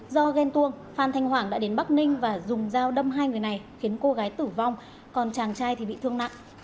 do ghen tuông phan thanh hoàng đã đến bắc ninh và dùng dao đâm hai người này khiến cô gái tử vong còn chàng trai thì bị thương nặng